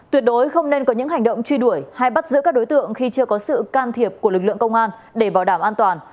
tuyệt đối không nên có những hành động truy đuổi hay bắt giữ các đối tượng khi chưa có sự can thiệp của lực lượng công an để bảo đảm an toàn